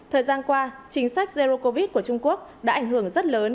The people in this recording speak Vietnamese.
thời gian qua chính sách zero covid của trung quốc đã ảnh hưởng rất lớn